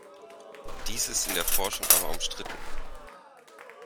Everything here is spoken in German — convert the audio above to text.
Dies ist in der Forschung aber umstritten.